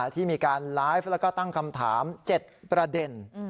ที่มีการไลฟ์แล้วก็ตั้งคำถาม๗ประเด็น